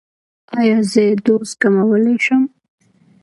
ایا زه دوز کمولی شم؟